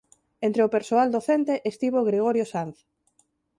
Entre o persoal docente estivo Gregorio Sanz.